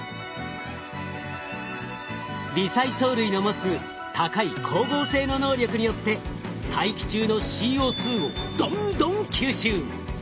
微細藻類の持つ高い光合成の能力によって大気中のＣＯをどんどん吸収。